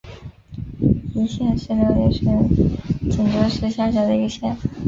义县是辽宁省锦州市下辖的一个县。